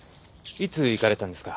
いつ行かれたんですか？